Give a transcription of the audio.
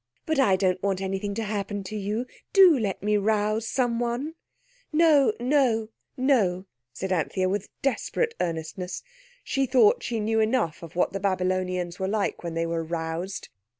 But I don't want anything to happen to you. Do let me rouse someone." "No, no, no," said Anthea with desperate earnestness. She thought she knew enough of what the Babylonians were like when they were roused.